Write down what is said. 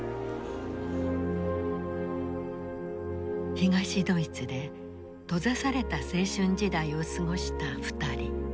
東ドイツで閉ざされた青春時代を過ごした２人。